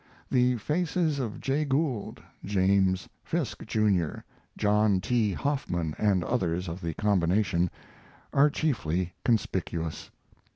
The faces of Jay Gould, James Fisk, Jr., John T. Hoffman, and others of the combination, are chiefly conspicuous.